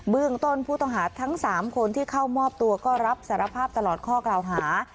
เรื่องต้นผู้ต้องหาทั้ง๓คนที่เข้ามอบตัวก็รับสารภาพตลอดข้อกล่าวหา